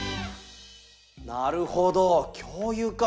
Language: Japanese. なるほど共有かあ。